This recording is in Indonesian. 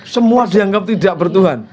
semua dianggap tidak bertuhan